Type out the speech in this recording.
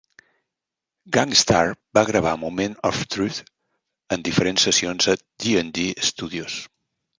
Gang Starr va gravar "Moment of Truth" en diferents sessions a D and D Studios.